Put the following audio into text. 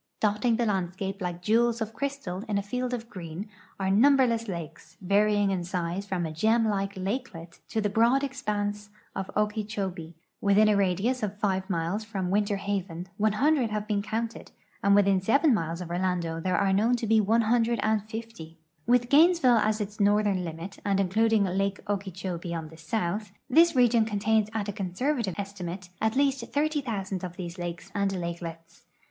Dotting the landscape like jewels of crystal in a field of green are num berless lakes, varying in size from a gem like lakelet to the broad expanse of Okeechobee. Within a radius of 5 miles from Winter Haven 100 have been counted, and within 7 miles of Orlando there are known to be 150. Mhth Gainesville as its northern limit and including lake Okeechobee on the south, this region contains at a conservative estimate at least 30,000 of these lakes and lakelets.